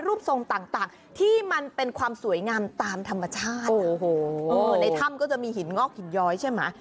รูปทรงต่างที่มันเป็นความสวยงามตามธรรมชาตินะโอ้โหในถ้ำก็จะมีหินงอกหินย้อยใช่ไหม